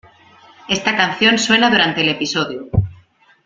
Esta canción suena durante el episodio.